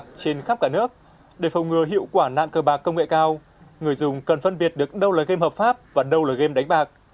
các sới bạc trên khắp cả nước để phòng ngừa hiệu quả nạn cơ bạc công nghệ cao người dùng cần phân biệt được đâu là game hợp pháp và đâu là game đánh bạc